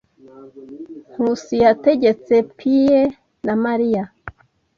Nkusi yategetse pie na Mariya.